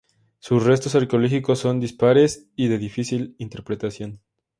Sus restos arqueológicos son dispares y de difícil interpretación.